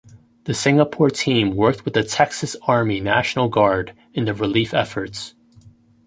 The Singapore team worked with the Texas Army National Guard in the relief efforts.